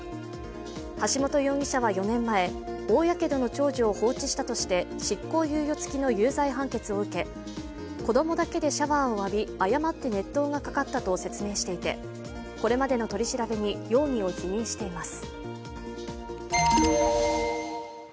橋本容疑者は４年前、大やけどの長女を放置したとして執行猶予付きの有罪判決を受け子供だけでシャワーを浴び誤って熱湯がかかったと説明していて、これまでの取り調べに容疑を否認しています。